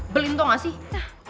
belinto gak sih